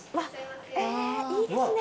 いいですね。